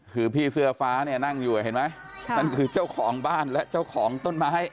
คือพี่เสื้อฟ้าเนี่ยนั่งอยู่เห็นไหมนั่นคือเจ้าของบ้านและเจ้าของต้นไม้